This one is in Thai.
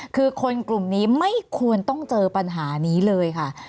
คือคนกลุ่มนี้ไม่ควรต้องเจอปัญหานี้เลยค่ะ